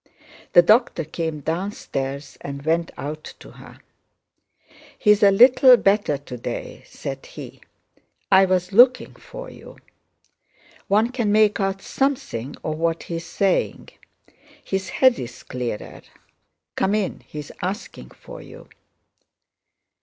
The doctor came downstairs and went out to her. "He is a little better today," said he. "I was looking for you. One can make out something of what he is saying. His head is clearer. Come in, he is asking for you...."